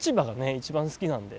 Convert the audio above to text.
一番好きなんで。